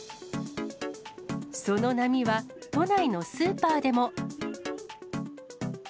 その波は都内のスーパーでも。